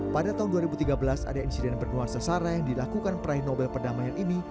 pada tahun dua ribu tiga belas ada insiden bernuansa sara yang dilakukan peraih nobel perdamaian ini